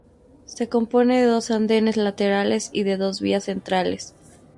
Se compone de dos andenes laterales y de dos vías centrales.